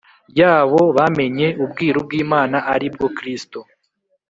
yabo bamenye ubwiru bw Imana ari bwo Kristo